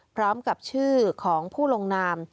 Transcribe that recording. พร้อมกับชื่อของผู้ลงนาม